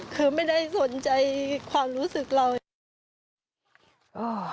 คือไม่ได้สนใจความรู้สึกเรา